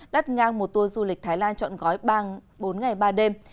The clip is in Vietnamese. đắt ngang một tour du lịch thái lan chọn gói bang bốn ngày ba đêm